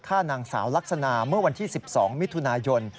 ฆ่านางสาวลักษณะเมื่อวันที่๑๒มิถุนายน